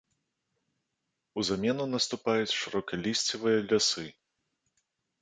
У замену наступаюць шырокалісцевыя лясы.